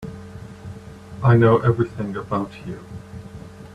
I know everything about you.